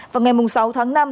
vào ngày sáu tháng năm